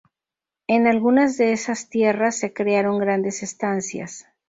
En algunas de esas tierras se crearon grandes estancias.